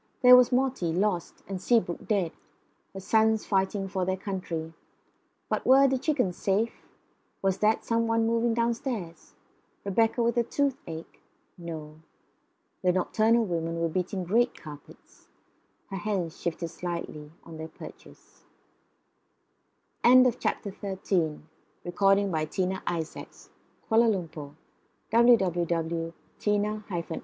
There was Morty lost, and Seabrook dead; her sons fighting for their country. But were the chickens safe? Was that some one moving downstairs? Rebecca with the toothache? No. The nocturnal women were beating great carpets. Her hens shifted slightly on their perches. CHAPTER FOURTEEN "He left everything just as it was," Bonamy marvelled.